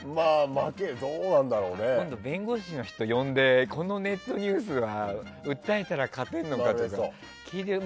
今度、弁護士の人呼んでこのネットニュースは訴えたら勝てるのか聞いて。